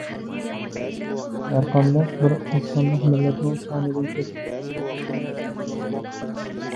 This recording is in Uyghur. ھەر قانداق بىر ئاز سانلىق مىللەتنىڭ سانىدىن كۆپ.